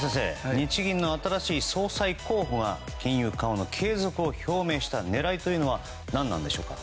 日銀の新しい総裁候補が金融緩和継続を表明した狙いは何なんでしょうか。